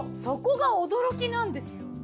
そこが驚きなんですよ。